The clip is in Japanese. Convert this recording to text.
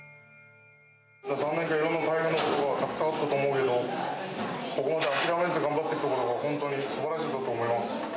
３年間いろいろ大変なことがたくさんあったと思うけど、ここまで諦めず頑張ってきたことは本当にすばらしいと思います。